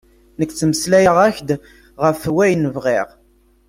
Nekk ttmeslayeɣ-ak-d ɣef wayen bɣiɣ.